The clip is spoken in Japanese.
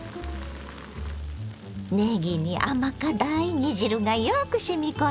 ねぎに甘辛い煮汁がよくしみ込んでるわ。